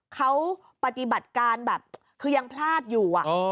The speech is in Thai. เขาปฏิบัติการแบบคือยังพลาดอยู่